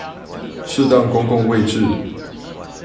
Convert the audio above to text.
適當公共位置